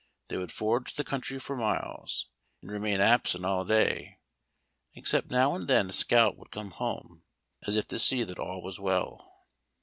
They would forage the country for miles, and remain absent all day, excepting now and then a scout would come home, as if to see that all was well.